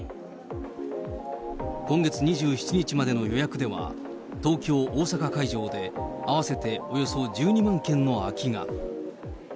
今月２７日までの予約では、東京、大阪会場で、合わせておよそ１２万件の空きが。